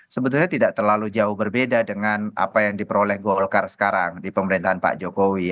sebetulnya tidak terlalu jauh berbeda dengan apa yang diperoleh golkar sekarang di pemerintahan pak jokowi